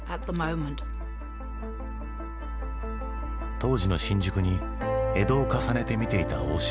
当時の新宿に江戸を重ねて見ていた大島。